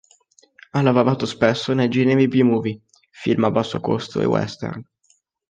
Ha lavorato spesso nei generi B-Movie, film a basso costo e western.